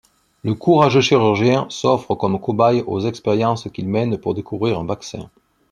Le courageux chirurgien s'offre comme cobaye aux expériences qu'il mène pour découvrir un vaccin...